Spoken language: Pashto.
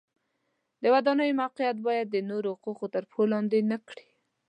د ودانیو موقعیت باید د نورو حقوق تر پښو لاندې نه کړي.